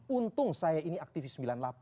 untung saya ini aktivis sembilan puluh delapan